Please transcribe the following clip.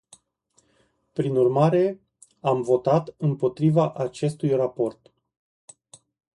Prin urmare, am votat împotriva acestui raport.